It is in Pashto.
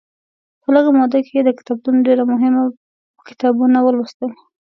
په لږه موده کې یې د کتابتون ډېر مهم کتابونه ولوستل.